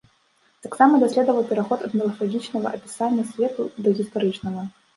Таксама даследаваў пераход ад міфалагічнага апісання свету да гістарычнага.